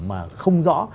mà không rõ